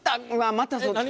またそっち。